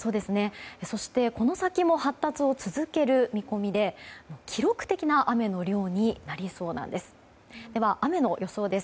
この先も発達を続ける見込みで記録的な雨の量になりそうなんです。